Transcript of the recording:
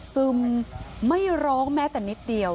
ซึมไม่ร้องแม้แต่นิดเดียว